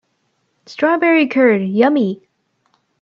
Strawberry curd, yummy!